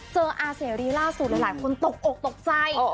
อาเสรีล่าสุดหลายคนตกอกตกใจ